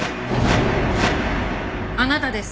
あなたです。